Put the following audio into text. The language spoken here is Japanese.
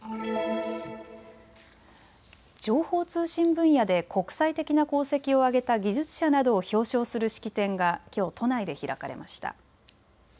情報通信分野で国際的な功績を挙げた技術者などを表彰する式典がきょう都内で開かれました。